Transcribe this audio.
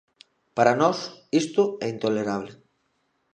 Para nós, isto é intolerable.